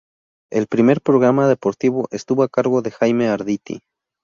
El primer programa deportivo estuvo a cargo de Jaime Arditi.